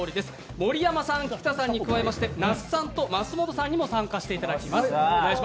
盛山さん、菊田さんに加えまして那須さんと増本さんにも参加してもらいます。